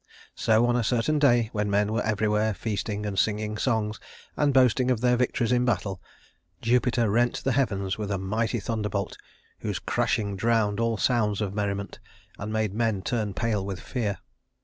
So on a certain day when men were everywhere feasting, and singing songs, and boasting of their victories in battle, Jupiter rent the heavens with a mighty thunderbolt, whose crashing drowned all sounds of merriment, and made men turn pale with fear.